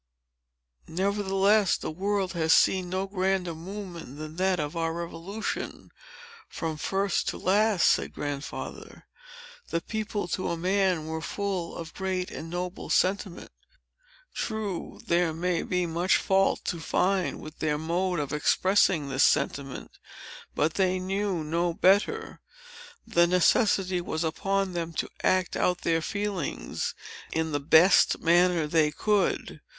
"Nevertheless, the world has seen no grander movement than that of our Revolution, from first to last," said Grandfather. "The people, to a man, were full of a great and noble sentiment. True, there may be much fault to find with their mode of expressing this sentiment; but they knew no better—the necessity was upon them to act out their feelings, in the best manner they could.